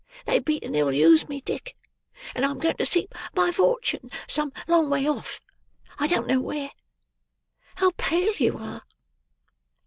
They beat and ill use me, Dick; and I am going to seek my fortune, some long way off. I don't know where. How pale you are!"